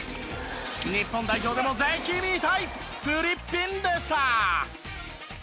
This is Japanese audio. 日本代表でもぜひ見たいフリッピンでした。